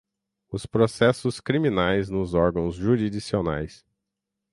os processos criminais, nos órgãos jurisdicionais